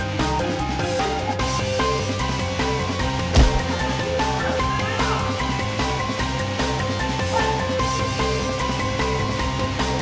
pak kamu lihat